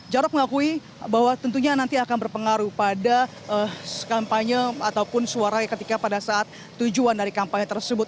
jarod mengakui bahwa tentunya nanti akan berpengaruh pada kampanye ataupun suara ketika pada saat tujuan dari kampanye tersebut